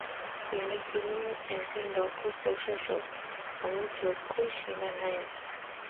তিনি ছিলেন একজন দক্ষ প্রশাসক ও যোগ্য সেনানায়ক।